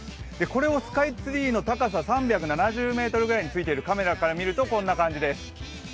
これをスカイツリーの高さ、３７０ｍぐらいに付いているカメラから見ると、こんな感じです。